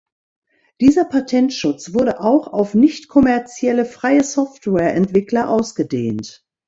Dieser Patentschutz wurde auch auf nicht-kommerzielle Freie-Software-Entwickler ausgedehnt.